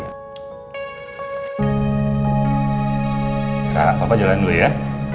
nggak papa jalan dulu ya